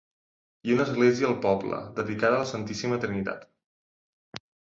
Hi ha una església al poble, dedicada a la "Santíssima Trinitat".